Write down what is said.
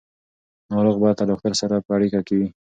ناروغ باید له ډاکټر سره په اړیکه وي.